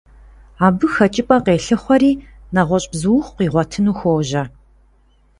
Абы хэкӀыпӀэ къелъыхъуэри нэгъуэщӀ бзуухъу къигъуэтыну хуожьэ.